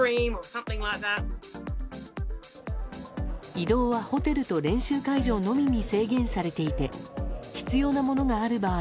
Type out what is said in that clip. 移動はホテルと練習会場のみに制限されていて必要なものがある場合